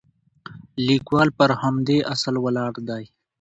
لیکوال پر همدې اصل ولاړ دی.